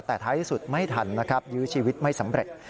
แต่ท้ายที่สุดไม่ทันนะครับยื้อชีวิตไม่สำเร็จ